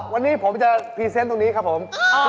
วันนี้ผมจะพรีเซนต์ตรงนี้ครับผม